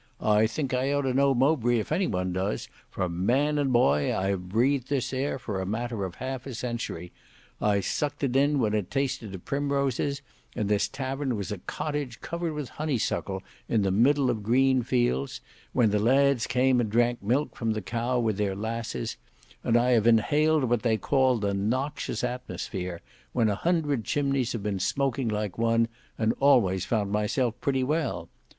I think I ought to know Mowbray if any one does, for man and boy I have breathed this air for a matter of half a century. I sucked it in when it tasted of primroses, and this tavern was a cottage covered with honeysuckle in the middle of green fields, where the lads came and drank milk from the cow with their lasses; and I have inhaled what they call the noxious atmosphere, when a hundred chimneys have been smoking like one; and always found myself pretty well.